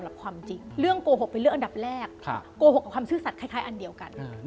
บ้ากามมาก